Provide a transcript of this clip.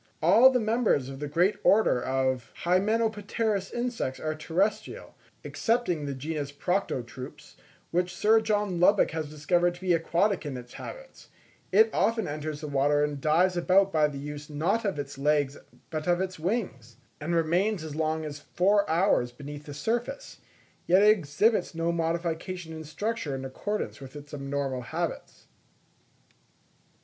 All the members of the great order of Hymenopterous insects are terrestrial, excepting the genus Proctotrupes, which Sir John Lubbock has discovered to be aquatic in its habits; it often enters the water and dives about by the use not of its legs but of its wings, and remains as long as four hours beneath the surface; yet it exhibits no modification in structure in accordance with its abnormal habits.